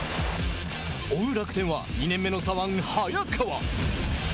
追う楽天は２年目の左腕、早川。